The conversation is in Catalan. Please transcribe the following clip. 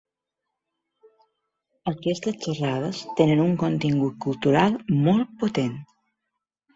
Aquestes xerrades tenen un contingut cultural molt potent.